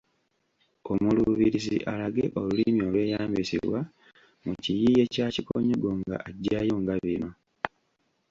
Omuluubirizi alage olulimi olweyambisibwa mu kiyiiye kya Kikonyogo nga aggyayo nga bino: